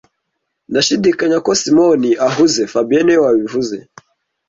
Ndashidikanya ko Simoni ahuze fabien niwe wabivuze